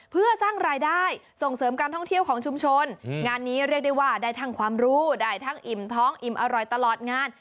เพื่อสร้างรายได้ส่งเสริมการท่องเที่ยวของชุมชนงานนี้เรียกได้ว่าได้ทั้งความรู้ได้ทั้งอิ่มท้องอิ่มอร่อยตลอดงาน